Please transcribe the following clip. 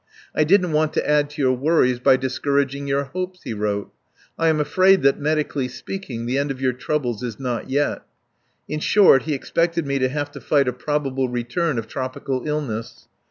"I didn't want to add to your worries by discouraging your hopes," he wrote. "I am afraid that, medically speaking, the end of your troubles is not yet." In short, he expected me to have to fight a probable return of tropical illness.